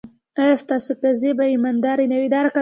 ایا ستاسو قاضي به ایماندار نه وي؟